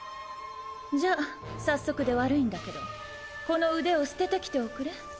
じゃあ早速で悪いんだけどこの腕を捨ててきておくれ。